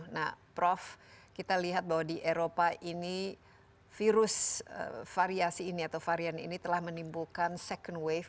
nah prof kita lihat bahwa di eropa ini virus variasi ini atau varian ini telah menimbulkan second wave